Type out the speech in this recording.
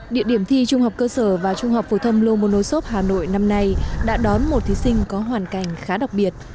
địa điểm thi trung học cơ sở và trung học phổ thâm lô môn ô sốp hà nội năm nay đã đón một thí sinh có hoàn cảnh khá đặc biệt